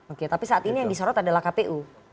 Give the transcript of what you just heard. oke tapi saat ini yang disorot adalah kpu